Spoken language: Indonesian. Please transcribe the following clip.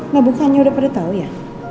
nah bukannya udah pada tahu ya